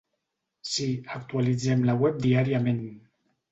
Sí, actualitzem la web diàriament.